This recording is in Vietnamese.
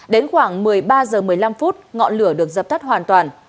đến khoảng một mươi ba h một mươi năm phút ngọn lửa được dập tắt hoàn toàn